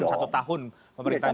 ataupun satu tahun pemberitaan